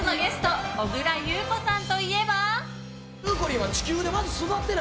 本日のゲスト小倉優子さんといえば。